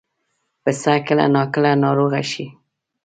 پسه کله ناکله ناروغه شي.